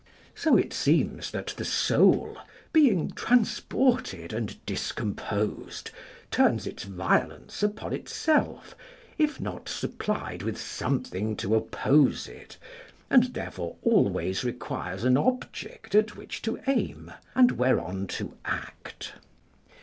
] So it seems that the soul, being transported and discomposed, turns its violence upon itself, if not supplied with something to oppose it, and therefore always requires an object at which to aim, and whereon to act.